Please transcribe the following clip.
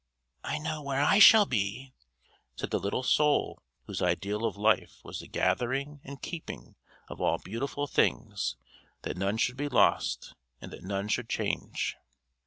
"I know where I shall be," said the little soul whose ideal of life was the gathering and keeping of all beautiful things that none should be lost and that none should change.